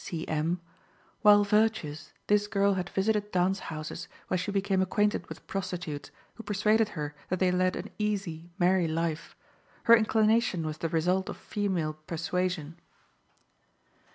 C. M.: while virtuous, this girl had visited dance houses, where she became acquainted with prostitutes, who persuaded her that they led an easy, merry life; her inclination was the result of female persuasion.